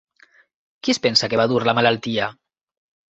Qui es pensa que va dur la malaltia?